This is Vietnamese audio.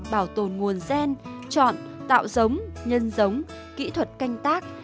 bảo tồn nguồn gen chọn tạo giống nhân giống kỹ thuật canh tác